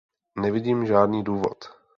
Nevidím žádný důvod.